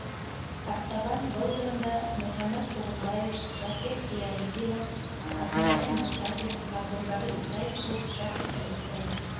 Артабан был урында Мөхәммәт Туғыҙбаев, Шакир Хиәлетдинов, Әхмәтйән Мостафин, Ғәбделбарый Исаев кеүек шәхестәр эшләне.